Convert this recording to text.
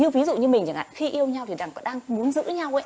ví dụ như mình chẳng hạn khi yêu nhau thì đang muốn giữ nhau ấy